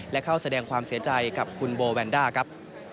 และเข้าแสดงความเสียใจกับคุณโบแวนด้าครับ